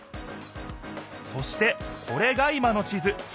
そしてこれが今の地図。